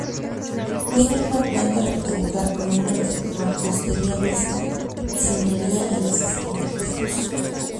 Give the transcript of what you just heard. Tiene una planta rectangular con muros de mampostería vista y sillería en los esquinales.